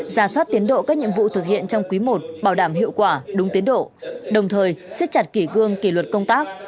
giả soát tiến độ các nhiệm vụ thực hiện trong quý i bảo đảm hiệu quả đúng tiến độ đồng thời xiết chặt kỷ cương kỷ luật công tác